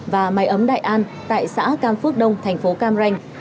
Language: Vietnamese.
và máy ấm đại an tại xã cam phước đông thành phố cam ranh